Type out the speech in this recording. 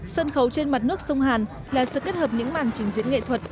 sân khấu trên mặt nước sông hàn là sự kết hợp những màn trình diễn nghệ thuật